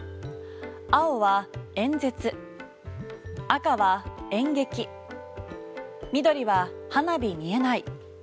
青は、演説赤は、演劇緑は、花火見えない。